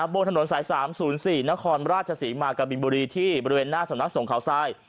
บนถนนสาย๓๐๔นครราชศรีมากับบินบุรีที่บริเวณหน้าสำนักสงเขาทราย